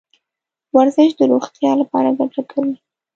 ورزش د روغتیا لپاره ګټه کوي .